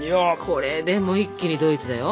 これでもう一気にドイツだよ。